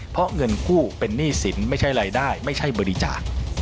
เพราะเงินกู้เป็นหนี้สินไม่ใช่รายได้ไม่ใช่บริจาค